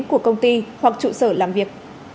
của công ty hoặc trụ sở làm việc